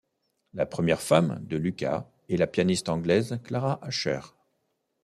La première femme de Lucas est la pianiste anglaise, Clara Asher.